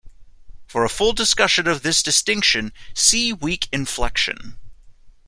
For a full discussion of this distinction see weak inflection.